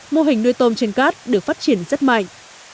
mô hình nuôi tôm trên cát được phát triển rất mạnh